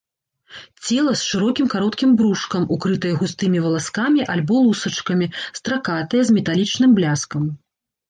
Цела з шырокім кароткім брушкам, укрытае густымі валаскамі альбо лусачкамі, стракатае, з металічным бляскам.